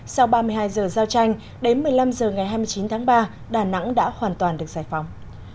sau ba mươi hai giờ giao tranh đến một mươi năm h ngày hai mươi chín tháng ba đà nẵng đã hoàn toàn được giải phóng